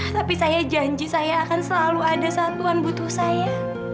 tapi saya janji saya akan selalu ada satuan butuh saya